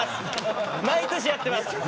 毎年やってます。